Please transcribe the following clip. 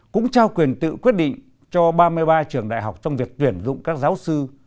cũng trao quyền tự quyết định cho ba mươi ba trường đại học trong việc tuyển dụng các giáo sư